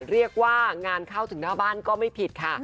เรียกว่างานเข้าถึงหน้าบ้านก็ไม่ผิดค่ะ